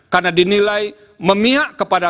karena dinilai memihak kepada